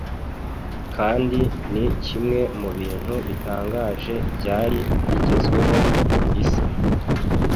kandi ni kimwe mu bintu bitangaje byari bigezweho ku isi